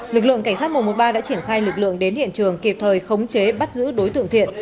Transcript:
lực lượng cảnh sát một trăm một mươi ba đã triển khai lực lượng đến hiện trường kịp thời khống chế bắt giữ đối tượng thiện